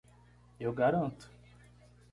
Eu garanto